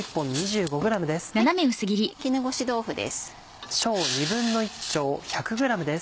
絹ごし豆腐です。